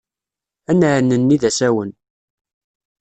Ad nɛnenni d asawen.